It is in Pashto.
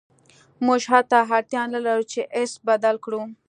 موږ حتی اړتیا نلرو چې ایس بدل کړو